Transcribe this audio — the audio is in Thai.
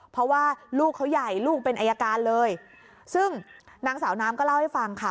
เพราะว่าลูกเขาใหญ่ลูกเป็นอายการเลยซึ่งนางสาวน้ำก็เล่าให้ฟังค่ะ